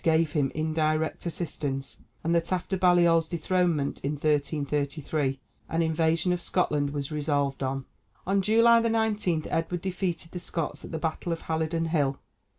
gave him indirect assistance, and that after Baliol's dethronement in 1333 an invasion of Scotland was resolved on. On July 19 Edward defeated the Scots at the battle of Halidon Hill.